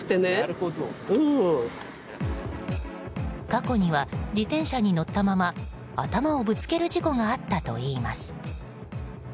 過去には自転車に乗ったまま頭をぶつける事故があったといいます。